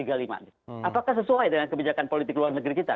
apakah sesuai dengan kebijakan politik luar negeri kita